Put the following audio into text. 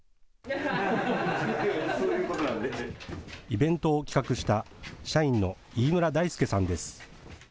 イベントを企画した社員の飯村大介さんです。